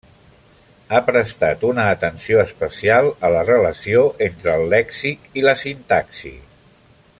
Ha prestat una atenció especial a la relació entre el lèxic i la sintaxi.